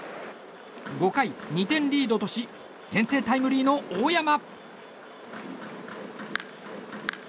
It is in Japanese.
５回、２点リードとし先制タイムリーの大山。